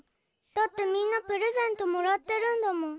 だってみんなプレゼントもらってるんだもん。